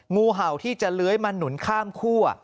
งูเห่าที่จะเลื้อยมาหนุนข้ามคั่ว